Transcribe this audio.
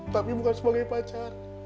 tapi bukan sebagai pacar